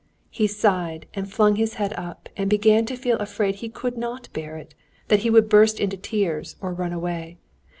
He sighed, and flung his head up, and began to feel afraid he could not bear it, that he would burst into tears or run away.